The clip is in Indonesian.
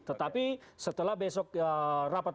tetapi setelah besok rapat